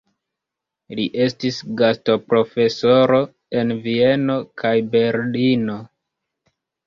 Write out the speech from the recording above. Li estis gastoprofesoro en Vieno kaj Berlino.